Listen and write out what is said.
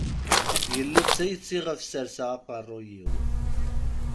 Yella d tayet iɣef serseɣ aqerruy-iw.